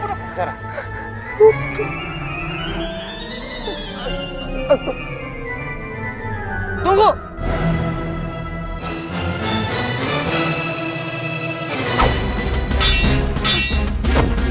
aduh burang burang burang